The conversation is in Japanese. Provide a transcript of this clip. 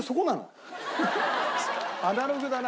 アナログだな。